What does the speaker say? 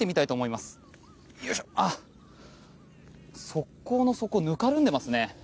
側溝の底、ぬかるんでますね。